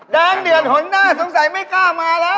ดางเดียนครุ่นหน้าสงสัยไม่กล้ามาแล้ว